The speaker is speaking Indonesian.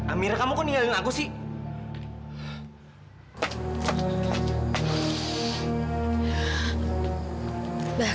amira kamu kok ninggalin aku sih